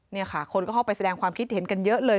นี่ค่ะคนก็เข้าไปแสดงความคิดเห็นกันเยอะเลย